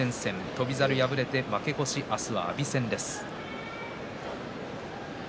翔猿は敗れて負け越し明日は阿炎戦です。